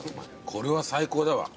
これは最高だわ。